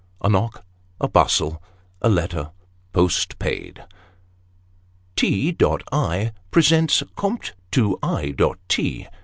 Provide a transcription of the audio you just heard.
A knock a bustle a letter post paid. " T. I. presents compt. to I. T.